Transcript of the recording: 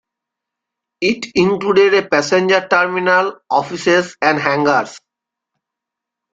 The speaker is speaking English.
It included a passenger terminal, offices and hangars.